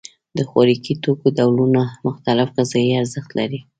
د خوراکي توکو ډولونه مختلف غذایي ارزښت لري.